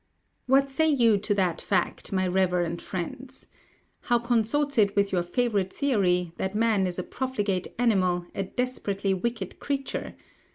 "What say you to that fact, my reverend friends? How consorts it with your favourite theory, that man is a profligate animal, a desperately wicked creature?